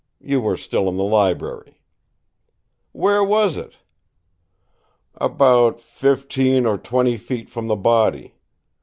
You were still in the library." "Where was it?" "About fifteen or twenty feet from the body.